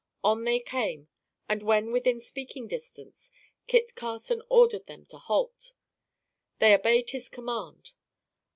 On they came, and when within speaking distance, Kit Carson ordered them to halt. They obeyed his command.